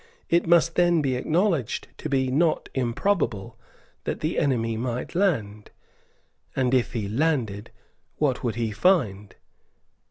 It must then be acknowledged to be not improbable that the enemy might land. And, if he landed, what would he find?